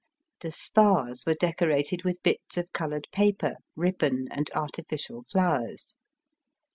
The spars were decorated with bits of coloured paper, ribbon, and arti ficial flowers.